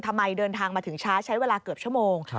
เดินทางมาถึงช้าใช้เวลาเกือบชั่วโมง